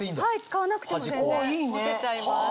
使わなくても全然持てちゃいます。